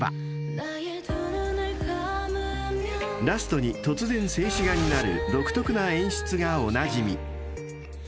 ［ラストに突然静止画になる独特な演出がおなじみ］